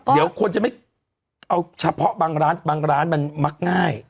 เดี๋ยวคนจะไม่เอาเฉพาะบางร้านบางร้านมันมักง่าย